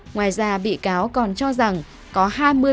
ngoài ra bị cáo còn cho rằng có hai mươi